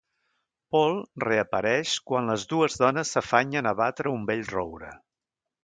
Paul reapareix quan les dues dones s'afanyen a abatre un vell roure.